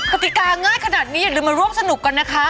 ติกาง่ายขนาดนี้อย่าลืมมาร่วมสนุกกันนะคะ